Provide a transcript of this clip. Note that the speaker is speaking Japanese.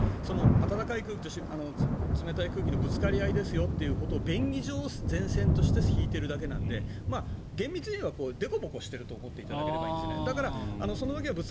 暖かい空気と冷たい空気のぶつかり合いですよということを便宜上前線として引いてるだけなので厳密にいえば凸凹してるところって思っていただければいいんですね。